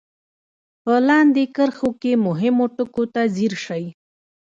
په لاندې کرښو کې مهمو ټکو ته ځير شئ.